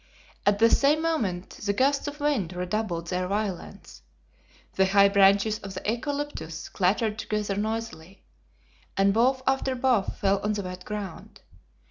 At the same moment the gusts of wind redoubled their violence. The high branches of the eucalyptus clattered together noisily, and bough after bough fell on the wet ground.